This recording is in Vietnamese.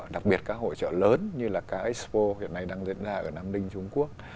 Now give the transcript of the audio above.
đặc biệt các hội trợ lớn như là các expo hiện nay đang diễn ra ở nam ninh trung quốc